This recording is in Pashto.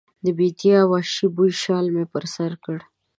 د بیدیا د وحشي بوی شال مې پر سر کړ